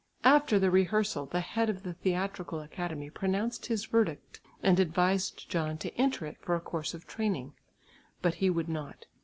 After the rehearsal the head of the theatrical academy pronounced his verdict and advised John to enter it for a course of training, but he would not.